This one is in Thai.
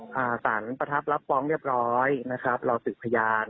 สารประทับรับฟ้องเรียบร้อยนะครับเราสืบพยาน